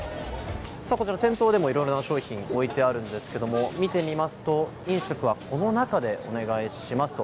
店頭でいろんな商品が置いてあるんですけれど、見てみますと、飲食はこの中でお願いしますと。